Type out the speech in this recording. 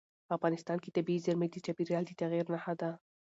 افغانستان کې طبیعي زیرمې د چاپېریال د تغیر نښه ده.